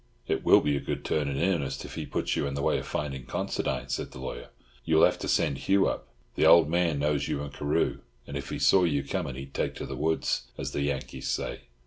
"It will be a good turn in earnest, if he puts you in the way of finding Considine," said the lawyer. "You will have to send Hugh up. The old man knows you and Carew, and if he saw you coming he would take to the woods, as the Yankees say.